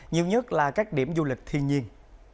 nhiều nhất là các điểm du lịch thiên nhiên